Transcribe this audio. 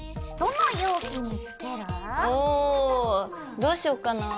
どうしよっかな？